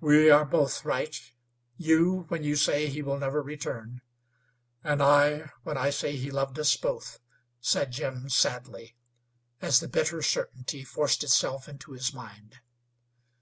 "We are both right you when you say he will never return, and I when I say he loved us both," said Jim sadly, as the bitter certainty forced itself into his mind.